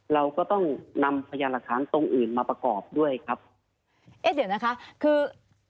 เราก็ต้องนำพยานหลักฐานตรงอื่นมาประกอบด้วยครับเอ๊ะเดี๋ยวนะคะคือ